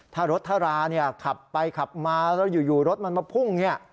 ถ้ารถทราเนี่ยขับไปขับมาแล้วอยู่รถมันมาพุ่งเนี่ย